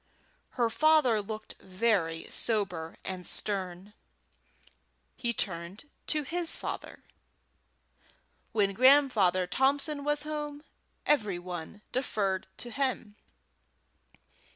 Her father looked very sober and stern. He turned to his father. When Grandfather Thompson was at home, every one deferred to him.